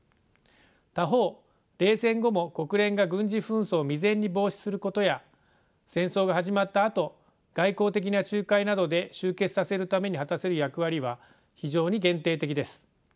他方冷戦後も国連が軍事紛争を未然に防止することや戦争が始まったあと外交的な仲介などで終結させるために果たせる役割は非常に限定的です。